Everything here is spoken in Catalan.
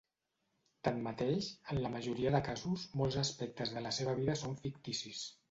Tanmateix, en la majoria de casos, molts aspectes de la seva vida són ficticis.